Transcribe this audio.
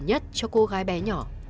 nhất cho cô gái bé nhỏ